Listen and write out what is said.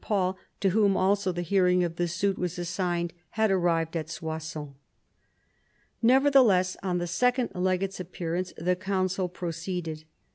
Paul, to whom also the hearing of the suit was assigned, had arrived at Soissons. Nevertheless, on the second legate's appearance the council proceeded.